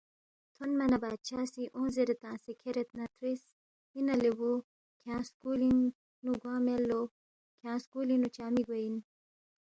تھونما نہ بادشاہ سی اونگ زیرے تنگسے کھیرے نہ ترِس، اِنا لے بُو کھیانگ سکُولِنگ نُو گوا مید لو؟ کھیانگ سکُولِنگ نُو چا مِہ گوے اِن؟